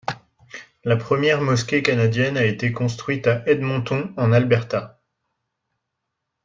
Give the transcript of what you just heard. La première mosquée canadienne a été construite à Edmonton en Alberta.